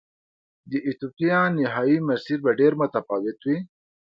د ایتوپیا نهايي مسیر به ډېر متفاوت و.